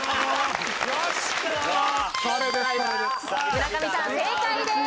村上さん正解です！